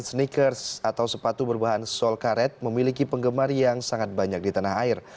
sneakers atau sepatu berbahan sol karet memiliki penggemar yang sangat banyak di tanah air